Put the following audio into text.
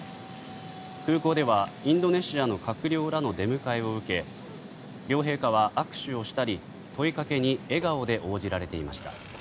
空港ではインドネシアの閣僚らの出迎えを受け両陛下は握手をしたり問いかけに笑顔で応じられていました。